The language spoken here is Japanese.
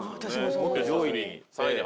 もっと上位に。